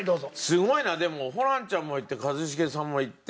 すごいなでもホランちゃんもいって一茂さんもいって。